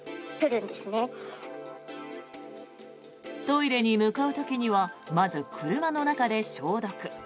トイレに向かう時にはまず車の中で消毒。